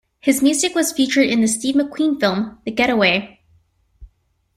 His music was featured in the Steve McQueen film "The Getaway".